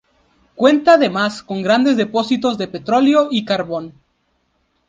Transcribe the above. Cuenta además con grandes depósitos de petróleo y carbón.